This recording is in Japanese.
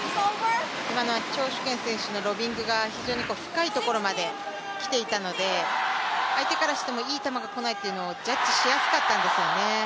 今のは張殊賢選手のロビングが非常に深いところまで来ていたので相手からしてもいい球が来ないっていうのをジャッジしやすかったんですよね。